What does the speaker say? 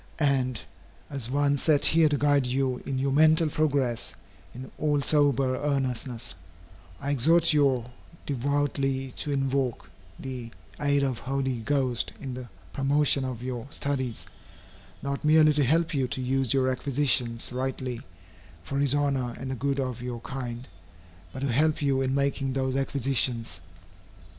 And, as one set here to guide you in your mental progress, in all sober earnestness, I exhort you devoutly to invoke the aid of the Holy Ghost in the promotion of your studies not merely to help you to use your acquisitions rightly, for his honor and the good of your kind, but to help you in making those acquisitions.